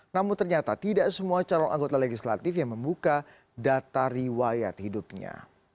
namun ternyata tidak semua calon anggota legislatif yang membuka data riwayat hidupnya